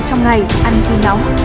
trong ngày ăn khi nóng